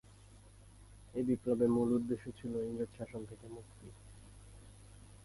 এ বিপ্লবের মূল উদ্দেশ্য ছিলো ইংরেজ শাসন থেকে মুক্তি।